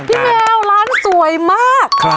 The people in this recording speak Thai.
แมวร้านสวยมาก